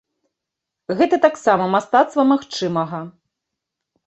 Гэта таксама мастацтва магчымага.